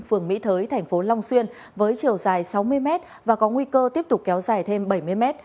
phường mỹ thới thành phố long xuyên với chiều dài sáu mươi mét và có nguy cơ tiếp tục kéo dài thêm bảy mươi mét